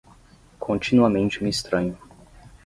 Continuamente me estranho.